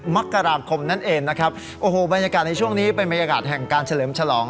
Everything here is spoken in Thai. มกราคมนั่นเองนะครับโอ้โหบรรยากาศในช่วงนี้เป็นบรรยากาศแห่งการเฉลิมฉลอง